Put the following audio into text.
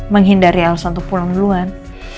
menghindari alasan untuk pulang duluan